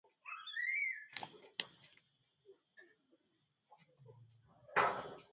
yaraka hizo zinaonyesha kuwa palestina iko tayari kukubali matakwa ya israel